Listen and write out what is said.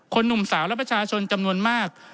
หนุ่มสาวและประชาชนจำนวนมาก